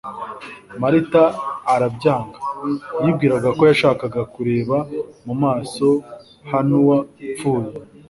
Marita arabyanga, yibwiraga ko yashakaga kureba mu maso h'nwapfuye,